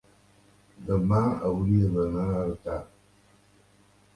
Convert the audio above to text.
Demà hauria d'anar a Artà.